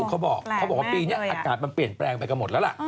เขาบอกเขาบอกว่าปีนี้อากาศมันเปลี่ยนแปลงไปกันหมดแล้วล่ะ